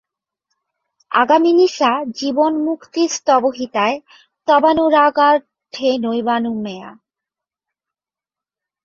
আগামিনী সা জীবন্মুক্তিস্তব হিতায় তবানুরাগদার্ঢ্যেনৈবানুমেয়া।